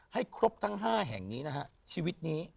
ให้ครบทั้ง๕แห่งชีวิตนี้